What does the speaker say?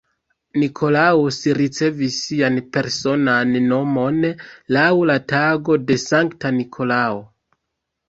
Nikolaus ricevis sian personan nomon laŭ la tago de Sankta Nikolao.